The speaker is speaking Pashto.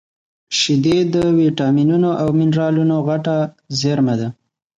شیدې د ویټامینونو او مینرالونو غټه زېرمه ده